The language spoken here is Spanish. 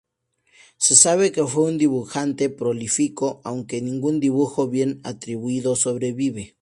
Se sabe que fue un dibujante prolífico, aunque ningún dibujo bien atribuido sobrevive.